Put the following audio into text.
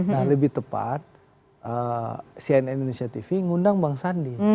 nah lebih tepat cnn indonesia tv ngundang bang sandi